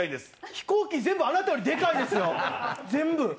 飛行機、全部あなたよりでかいですよ、全部。